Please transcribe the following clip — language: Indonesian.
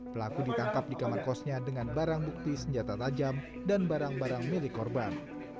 pelaku ditangkap di kamar kosnya dengan barang bukti senjata tajam dan barang barang milik korban